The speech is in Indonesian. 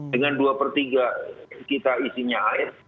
dengan dua per tiga kita isinya air